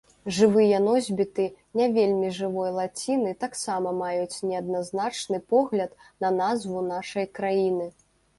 Жывыя носьбіты не вельмі жывой лаціны таксама маюць неадназначны погляд на назву нашай краіны.